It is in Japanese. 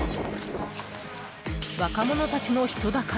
若者たちの人だかり。